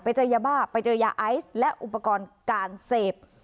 เจอยาบ้าไปเจอยาไอซ์และอุปกรณ์การเสพ